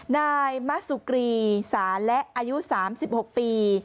นายมะสุกรีสาและอายุ๓๖ปี